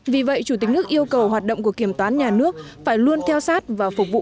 vì vậy chủ tịch nước yêu cầu hoạt động của kiểm toán nhà nước phải luôn theo sát và phục vụ